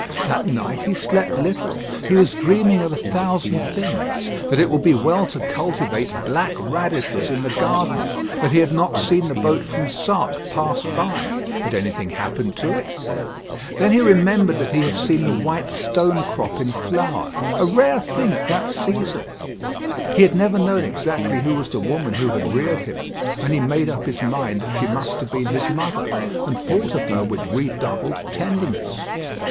That night he slept little; he was dreaming of a thousand things: that it would be well to cultivate black radishes in the garden; that he had not seen the boat from Sark pass by; had anything happened to it? Then he remembered that he had seen the white stonecrop in flower, a rare thing at that season. He had never known exactly who was the woman who had reared him, and he made up his mind that she must have been his mother, and thought of her with redoubled tenderness.